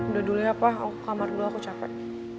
udah dulu ya pak kamar dulu aku capek